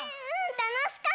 たのしかった。